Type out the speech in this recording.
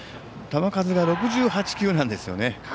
球数が６８球なんですよね。